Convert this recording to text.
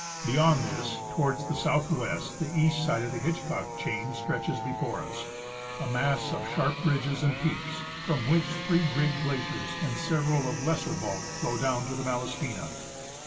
Beyond this, towards the south west, the east side of the Hitchcock chain stretches before us, a mass of sharp ridges and peaks, from which three great glaciers and several of lesser bulk flow down to the Malaspina.